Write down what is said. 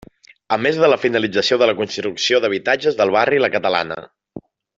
A més de la finalització de la construcció d'habitatges del barri La Catalana.